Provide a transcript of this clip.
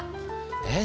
えっ